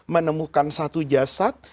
menemukan satu jasad